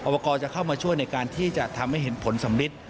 ประกอบจะเข้ามาช่วยในการที่จะทำให้เห็นผลสำลิด